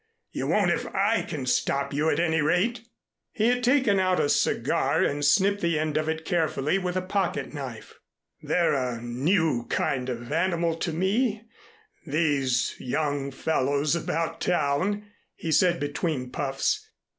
You won't if I can stop you, at any rate." He had taken out a cigar and snipped the end of it carefully with a pocket knife. "They're a new kind of animal to me, these young fellows about town," he said between puffs.